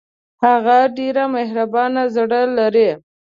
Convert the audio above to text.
هغه ډېر مهربان زړه لري